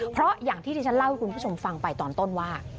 เพราะอย่างที่ที่ฉันเล่าให้คุณผู้ชมฟังไปตอนต้นว่า